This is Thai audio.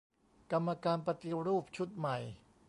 กรรมการปฏิรูปชุดใหม่